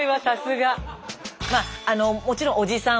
まああのもちろんおじさん